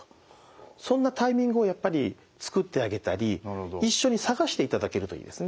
そんなタイミングをやっぱり作ってあげたり一緒に探していただけるといいですね。